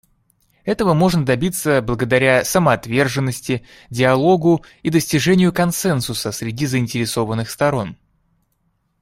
Этого можно добиться благодаря самоотверженности, диалогу и достижению консенсуса среди заинтересованных сторон.